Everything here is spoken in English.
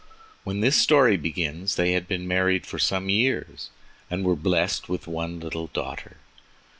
When this story begins they had been married for some years and were blessed with one little daughter.